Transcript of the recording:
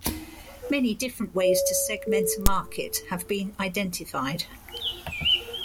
Many different ways to segment a market have been identified.